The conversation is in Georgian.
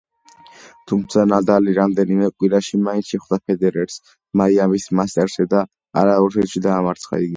თუმცა ნადალი რამდენიმე კვირაში მაინც შეხვდა ფედერერს მაიამის მასტერსზე და ორ სეტში დაამარცხა იგი.